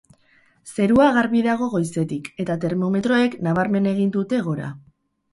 Zerua garbi dago goizetik, eta termometroek nabarmen egin dute gora.